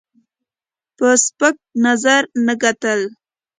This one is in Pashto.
په سپک نظر نه کتل.